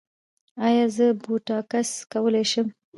ایا زه بوټاکس کولی شم؟